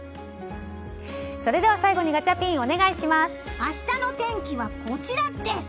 それでは最後にガチャピン明日の天気はこちらです！